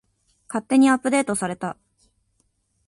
勝手にアップデートされた